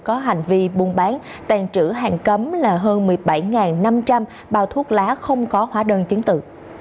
có hành vi buôn bán tàn trữ hàng cấm là hơn một mươi bảy năm trăm linh bao thuốc lá không có hóa đơn chứng tử